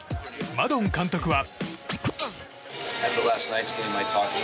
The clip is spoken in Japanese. マドン監督は。